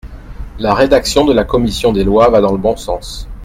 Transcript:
La rédaction de la commission des lois va dans le bon sens.